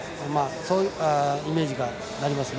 そういうイメージになりますね。